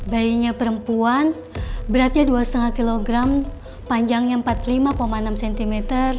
bayinya perempuan beratnya dua lima kg panjangnya empat puluh lima enam cm